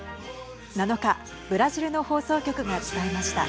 ７日ブラジルの放送局が伝えました。